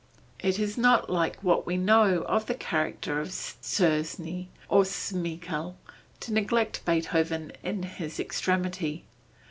It is not like what we know of the character of Czerny, or Zmeskall, to neglect Beethoven in his extremity.